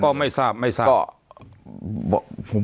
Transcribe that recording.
ก็ไม่ทราบไม่ทราบ